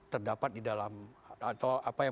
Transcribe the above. terdapat di dalam atau apa ya